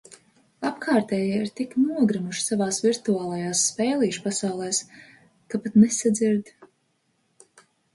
Apkārtējie ir tik nogrimuši savās virtuālajās spēlīšu pasaulēs, ka pat nesadzird...